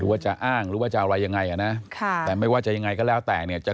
วางแผนมาก่อนไหมหรือว่ายังไงครับ